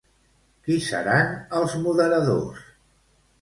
Qui seran els moderadors?